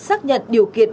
xác nhận điều kiện